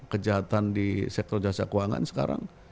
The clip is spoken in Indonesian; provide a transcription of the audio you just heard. kejahatan di sektor jasa keuangan sekarang